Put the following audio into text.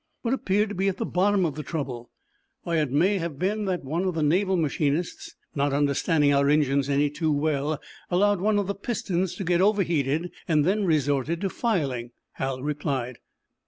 "What appeared to be at the bottom of the trouble?" "Why, it may have been that one of the naval machinists, not understanding our engines any too well, allowed one of the pistons to get overheated, and then resorted to filing," Hal replied.